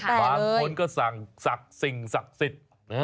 บางคนก็สั่งสักสิ่งสักสิทธิ์